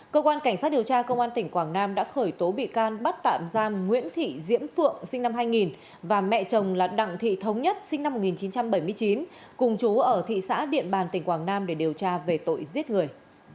cơ quan cảnh sát điều tra công an tỉnh quảng nam đã khởi tố bị can bắt tạm giam nguyễn thị diễm phượng sinh năm hai nghìn và mẹ chồng là đặng thị thống nhất sinh năm một nghìn chín trăm bảy mươi chín cùng chú ở thị xã điện bàn tỉnh quảng nam để điều tra về tội giết người